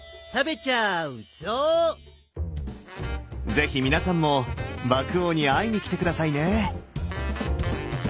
是非皆さんも獏王に会いにきて下さいね！